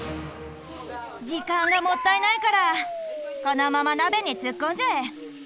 時間がもったいないからこのまま鍋に突っ込んじゃえ！